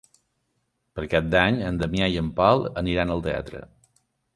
Per Cap d'Any en Damià i en Pol aniran al teatre.